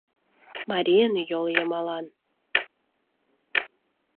Марийын йол йымалан